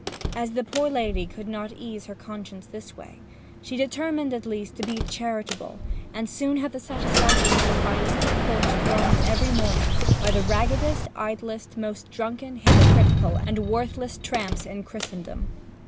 As the poor lady could not ease her conscience this way, she determined at least to be charitable, and soon had the satisfaction of finding her porch thronged every morning by the raggedest, idlest, most drunken, hypocritical, and worthless tramps in Christendom.